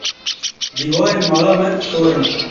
Dîwarên mala me sor in.